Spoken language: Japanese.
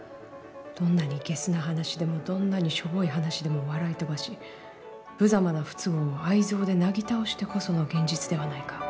どんなに下衆な話でもどんなにしょぼい話でも笑い飛ばし無様な不都合を愛憎でなぎ倒してこその現実ではないか。